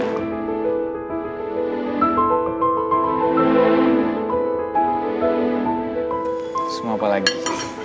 terus mau apa lagi